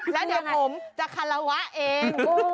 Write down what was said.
แล้วเดี๋ยวผมจะคาราวะเอง